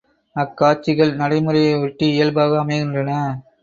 அக்காட்சிகள் நடைமுறை ஒட்டி இயல்பாக அமைகின்றன.